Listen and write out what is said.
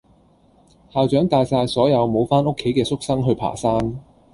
校長帶晒所有無返屋企嘅宿生去爬山